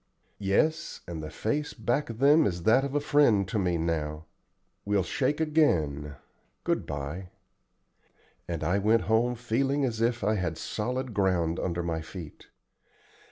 "Yes, and the face back of them is that of a friend to me now. We'll shake again. Good by;" and I went home feeling as if I had solid ground under my feet.